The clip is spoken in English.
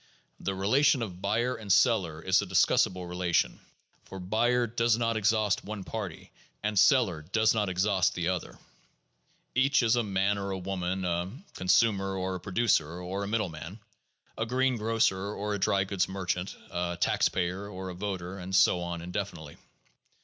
The relation of buyer and seller is a discussable relation ; for buyer does not exhaust one party and seller does not exhaust the other. Each is a man or a woman, a consumer or a producer or a middle man, a green grocer or a dry goods merchant, a taxpayer or a voter, and so on indefinitely.